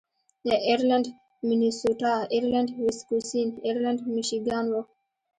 ایرلنډ مینیسوټا، ایرلنډ ویسکوسین، ایرلنډ میشیګان و.